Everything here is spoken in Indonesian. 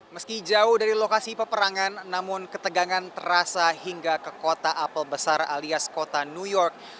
meski jauh dari lokasi peperangan namun ketegangan terasa hingga ke kota apple besar alias kota new york